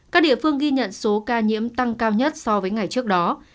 các địa phương ghi nhận số ca nhiễm tăng cao nhất so với ngày trước đó